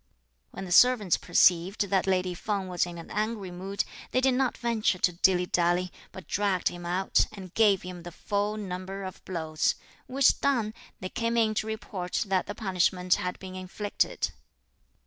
When the servants perceived that lady Feng was in an angry mood, they did not venture to dilly dally, but dragged him out, and gave him the full number of blows; which done, they came in to report that the punishment had been inflicted.